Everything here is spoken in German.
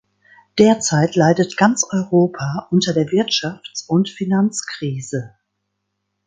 Derzeit leidet ganz Europa unter der Wirtschafts- und Finanzkrise.